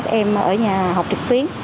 các em đã ở nhà học trực tuyến rồi